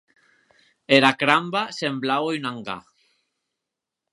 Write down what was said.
Era cramba semblaue un angar.